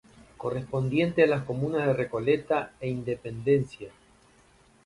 Correspondiente a las comunas de Recoleta e Independencia.